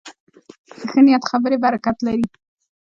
د ښه نیت خبرې برکت لري